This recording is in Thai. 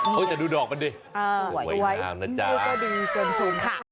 เขาจะดูดอกมันดิสวยน้ำนะจ๊ะเขาก็ดีชวนชุมค่ะ